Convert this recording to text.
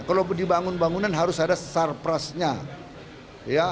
kalau dibangun bangunan harus ada sarprasnya